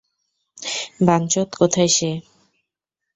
বাঞ্চোত, কোথায় সে?